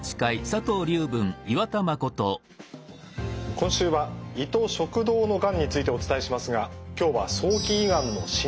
今週は胃と食道のがんについてお伝えしますが今日は早期胃がんの診断と治療についてです。